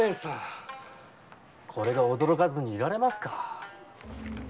これが驚かずにいられますか？